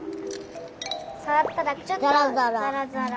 さわったらちょっとざらざら。